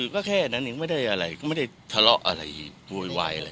ก็แค่นั้นเองไม่ได้อะไรก็ไม่ได้ทะเลาะอะไรโวยวายอะไร